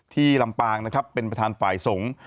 ลำปางนะครับเป็นประธานฝ่ายสงฆ์